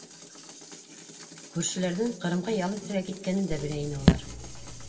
Күршеләрҙең Ҡырымға ял итергә киткәнен дә белә ине улар.